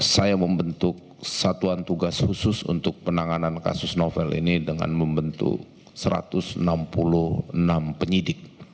saya membentuk satuan tugas khusus untuk penanganan kasus novel ini dengan membentuk satu ratus enam puluh enam penyidik